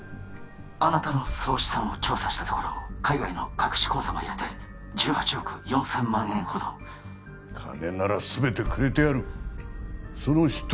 あなたの総資産を調査したところ海外の隠し口座も入れて１８億４０００万円ほど金なら全てくれてやるその執刀